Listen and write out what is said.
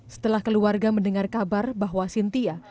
setelah keluarga mendengar kabar bahwa sintia